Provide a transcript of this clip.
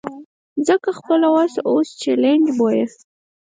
ځکه خپله وسه اوس چلنج بویه.